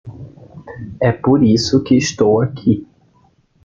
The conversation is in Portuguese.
É por isso que estou aqui.